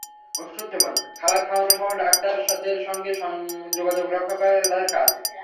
ওষুধ সেবন, খাবার খাওয়ানোসহ ডাক্তারদের সঙ্গে যোগাযোগ রক্ষা করা তাদের কাজ।